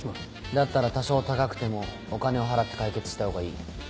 だったら多少高くてもお金を払って解決した方がいい。